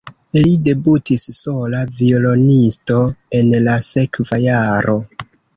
Li debutis sola violonisto en la sekva jaro.